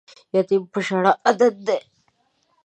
یتیم په ژړا عادت دی